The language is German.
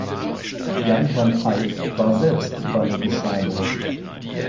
Jan van Eyck war selbst Valet de chambre.